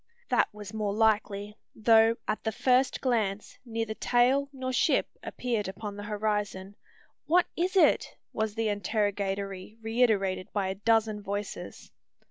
That was more likely: though, at the first glance, neither tail nor ship appeared upon the horizon, "What is it?" was the interrogatory reiterated by a dozen voices.